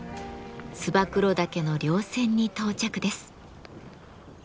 燕岳の稜線に到着です。